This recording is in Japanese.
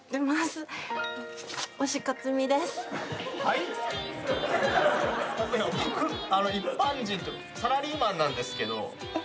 いや僕一般人っていうかサラリーマンなんですけど。